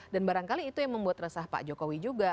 dan barangkali itu yang membuat resah pak jokowi juga